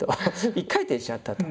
１回転しちゃったと。